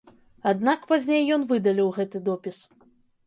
Аднак пазней ён выдаліў гэты допіс.